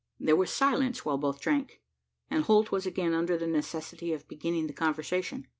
There was silence while both drank; and Holt was again under the necessity of beginning the conversation.